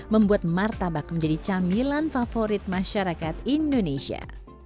membuat martabak menjadi camilan favorit masyarakat indonesia